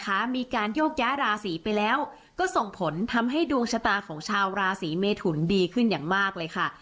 มีการโยกย้ายราศีไปแล้วก็ส่งผลทำให้ดวงชะตาของชาวราศีเมทุนดีขึ้นอย่างมากเลยค่ะ